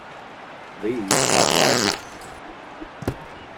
These are vipers.